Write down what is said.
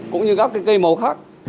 cũng như các cây màu khác